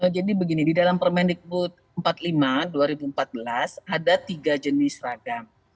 jadi begini di dalam permendikbud empat puluh lima dua ribu empat belas ada tiga jenis seragam